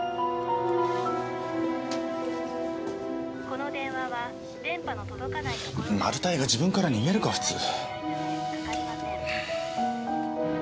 「この電話は電波の届かないところ」マルタイが自分から逃げるか普通。